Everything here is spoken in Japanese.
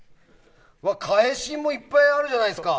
替え芯もいっぱいあるじゃないですか。